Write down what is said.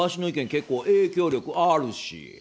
結構影響力あるし！